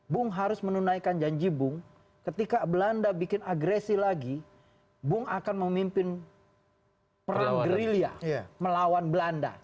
bung harus menunaikan janji bung ketika belanda bikin agresi lagi bung akan memimpin perang gerilya melawan belanda